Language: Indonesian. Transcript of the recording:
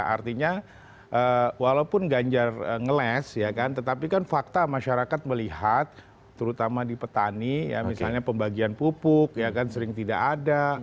artinya walaupun ganjar ngeles ya kan tetapi kan fakta masyarakat melihat terutama di petani ya misalnya pembagian pupuk ya kan sering tidak ada